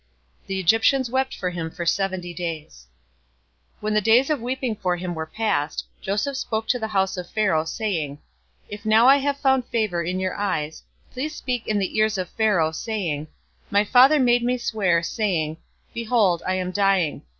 The Egyptians wept for him for seventy days. 050:004 When the days of weeping for him were past, Joseph spoke to the house of Pharaoh, saying, "If now I have found favor in your eyes, please speak in the ears of Pharaoh, saying, 050:005 'My father made me swear, saying, "Behold, I am dying.